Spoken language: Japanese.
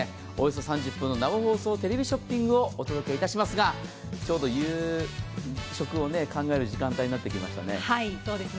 およそ３０分生放送テレビショッピングをお届けしますが、ちょうど夕食を考える時間帯になってきましたね。